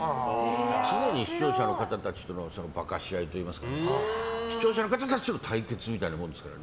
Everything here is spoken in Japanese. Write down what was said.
常に視聴者の方たちとの化かし合いといいますか視聴者の方たちとの対決みたいなものですから。